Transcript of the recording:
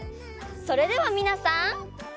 それではみなさん。